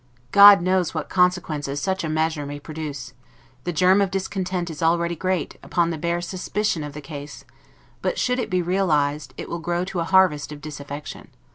God knows what consequences such a measure may produce; the germ of discontent is already great, upon the bare supposition of the case; but should it be realized, it will grow to a harvest of disaffection.